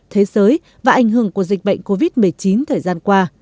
thế giới và ảnh hưởng của dịch bệnh covid một mươi chín thời gian qua